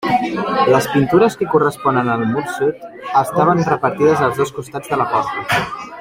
Les pintures que corresponen al mur sud estaven repartides als dos costats de la porta.